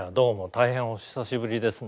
大変お久しぶりですね」